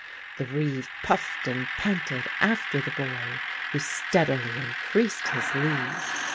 The reeve puffed and panted after the boy, who steadily increased his lead.